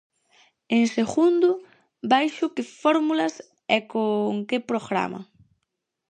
En segundo, baixo que fórmulas e con que programa.